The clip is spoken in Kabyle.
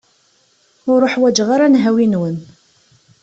Ur ḥwaǧeɣ ara nnhawi-nwen.